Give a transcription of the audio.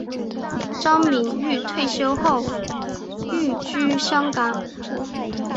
张敏钰退休后寓居香港。